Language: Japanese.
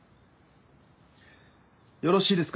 よろしいですか？